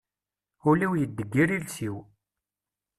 Ul-iw yeddeggir iles-iw.